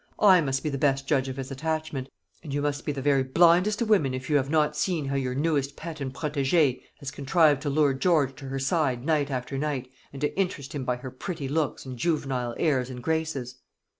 "I must be the best judge of his attachment; and you must be the very blindest of women, if you have not seen how your newest pet and protégée has contrived to lure George to her side night after night, and to interest him by her pretty looks and juvenile airs and graces."